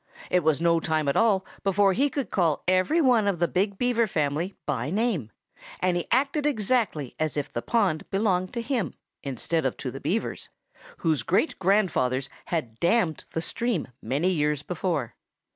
It was no time at all before he could call every one of the big Beaver family by name. And he acted exactly as if the pond belonged to him, instead of to the Beavers, whose great grandfathers had dammed the stream many years before.